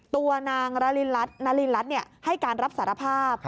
ตัวนางนารินรัฐให้การรับสารภาพ